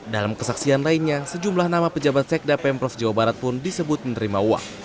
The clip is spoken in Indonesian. dalam kesaksian lainnya sejumlah nama pejabat sekda pemprov jawa barat pun disebut menerima uang